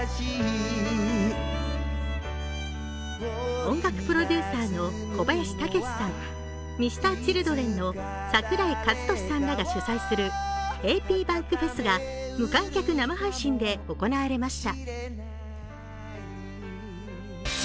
音楽プロデュータの小林武史さん、Ｍｒ．Ｃｈｉｌｄｒｅｎの櫻井和寿さんらが主催するａｐｂａｎｋｆｅｓが無観客生配信で行われました。